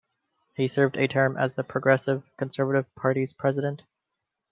He served a term as the Progressive Conservative Party's president.